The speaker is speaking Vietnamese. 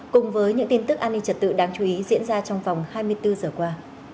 cùng với những tin tức an ninh trật tự đáng chú ý diễn ra trong vòng hai mươi bốn giờ qua